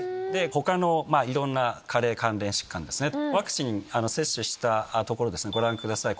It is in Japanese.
ほかのいろんな加齢関連疾患ですね、ワクチン接種したところ、ご覧ください。